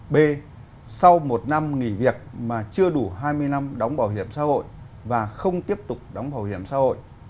b sau một năm nghỉ việc mà chưa đủ hai mươi năm đóng bảo hiểm xã hội và không tiếp tục đóng bảo hiểm xã hội